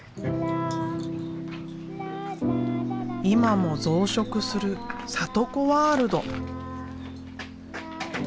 今も増殖するサト子ワールド。